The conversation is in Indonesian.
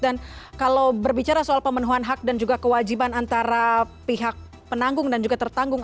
dan kalau berbicara soal pemenuhan hak dan juga kewajiban antara pihak penanggung dan juga tertanggung